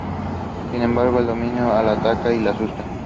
Sin embargo, el demonio la ataca y la asusta.